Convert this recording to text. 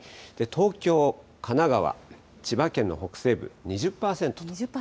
東京、神奈川、千葉県の北西部、２０％。